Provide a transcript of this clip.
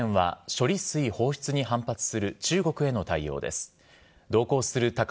焦点は処理水放出に反発する中国への対応です。